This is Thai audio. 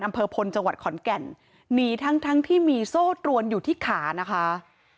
อำเภอพลจังหวัดขอนแก่นหนีทั้งทั้งที่มีโซ่ตรวนอยู่ที่ขานะคะ